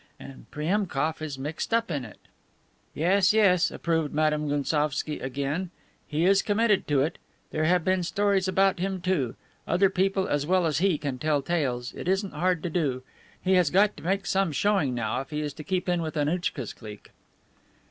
And Priemkof is mixed up in it." "Yes, yes," approved Madame Gounsovski again, "he is committed to it. There have been stories about him, too. Other people as well as he can tell tales; it isn't hard to do. He has got to make some showing now if he is to keep in with Annouchka's clique."